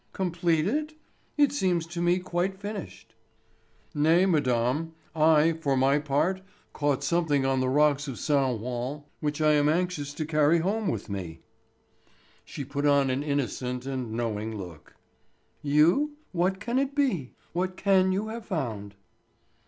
"Complete it? It seems to me quite finished." "Nay, madame, I, for my part, caught something on the rocks of Saint Jouain which I am anxious to carry home with me." She put on an innocent and knowing look. "You? What can it be? What can you have found?"